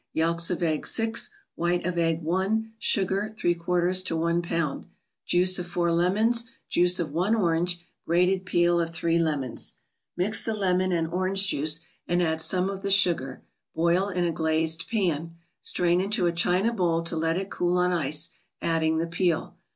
; Yelks of eggs, 6 ; White of egg, I ; Sugar, % to 1 lb. Juice of 4 lemons ; juice of I orange; grated peel of 3 lemons. Mix the lemon and orange juice, and add some of the sugar; boil in a glazed pan. Strain into a china bowl to let it cool on ice, adding the peel.